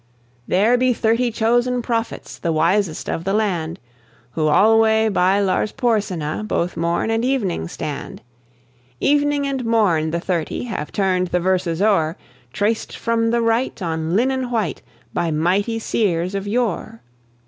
There be thirty chosen prophets, The wisest of the land, Who alway by Lars Porsena Both morn and evening stand: Evening and morn the Thirty Have turned the verses o'er, Traced from the right on linen white By mighty seers of yore.